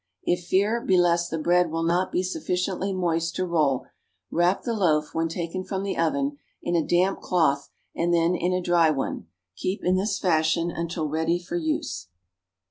If fear be lest the bread will not be sufficiently moist to roll, wrap the loaf, when taken from the oven, in a damp cloth and then in a dry one; keep in this fashion until ready for use.